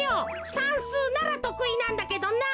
さんすうならとくいなんだけどな。